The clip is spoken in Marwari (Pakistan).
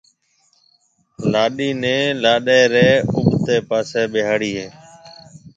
لاڏِي نيَ لاڏَي رَي اُڀتيَ پاسَي ٻيھاڙَي ھيََََ